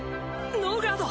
ノーガード！